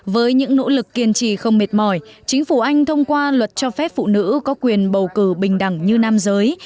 với những nỗ lực kiên trì không mệt mỏi chính phủ anh thông qua luật cho phép phụ nữ có quyền bầu cử bình đẳng như nam giới